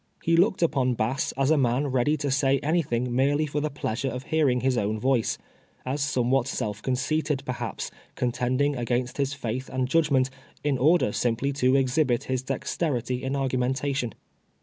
lie looked npon Bass, as a man ready to say anything merely for the pleasure of hearing his own voice ; as somewhat self conceited, perhaps, contending against liis faith and judgment, in order, simply, to exhibit his dexterity in argumen tation.